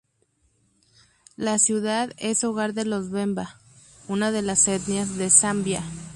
La ciudad es hogar de los bemba, una de las etnias de Zambia.